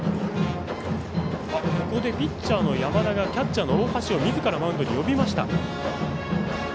ここでピッチャーの山田がキャッチャーの大橋をみずからマウンドに呼びました。